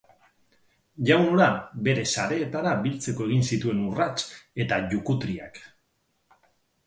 Jaun hura bere sareetara biltzeko egin zituen urrats eta jukutriak.